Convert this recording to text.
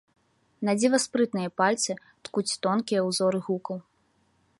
Надзіва спрытныя пальцы ткуць тонкія ўзоры гукаў.